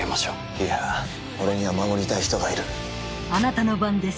いや俺には守りたい人がいる。